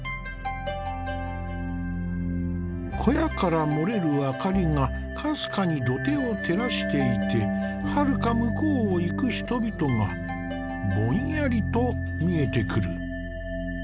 小屋から漏れる明かりがかすかに土手を照らしていてはるか向こうを行く人々がぼんやりと見えてくる。